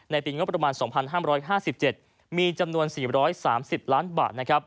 ปีงบประมาณ๒๕๕๗มีจำนวน๔๓๐ล้านบาท